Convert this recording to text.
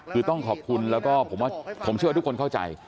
คือต้องขอบคุณแล้วก็ผมว่าผมเชื่อว่าทุกคนเข้าใจ